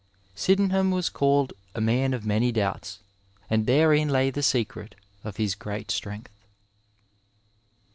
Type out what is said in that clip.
* Sydenham was called "a man of many doubts" and therein lay the secret of his great strength.